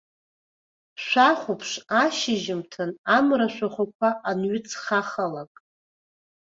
Шәахәаԥш ашьжьымҭан, амра ашәахәақәа анҩыҵхахалак.